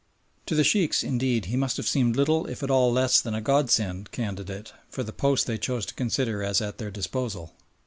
To the Sheikhs, indeed, he must have seemed little if at all less than a God sent candidate for the post they chose to consider as at their disposal.